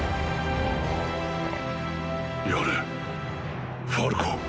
やれファルコ。